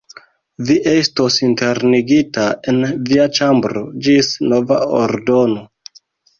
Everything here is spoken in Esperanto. Vi estos internigita en via ĉambro ĝis nova ordono.